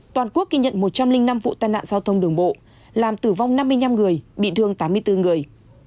toàn quốc ghi nhận một trăm linh năm vụ tai nạn giao thông đường bộ làm tử vong năm mươi năm người bị thương tám mươi bốn người